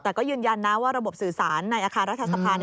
แต่ก็ยืนยันนะว่าระบบสื่อสารในอาคารรัฐสภา